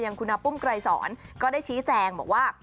อย่างคุณนับปุ้มไกรสอนก็ได้ชี้แจงบอกว่า